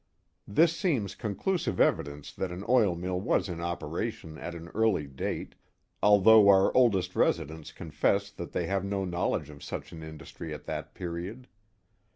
This seems conclusive evidence that an oil mill was in operation at an early date, although our oldest residents confess that they have no knowledge of such an industry at that period.